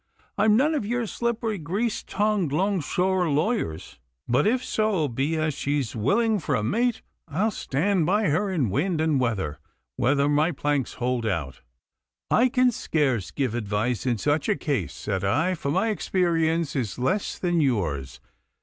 I am none of your slippery, grease tongued, long shore lawyers, but if so be as she's willing for a mate, I'll stand by her in wind and weather while my planks hold out.' 'I can scarce give advice in such a case,' said I, 'for my experience is less than yours.